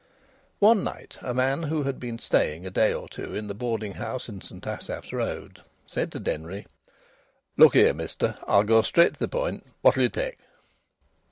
One night a man who had been staying a day or two in the boarding house in St Asaph's Road said to Denry: "Look here, mister. I go straight to the point. What'll you take?"